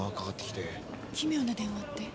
奇妙な電話って？